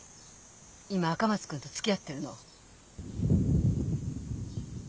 今赤松君とつきあってるの。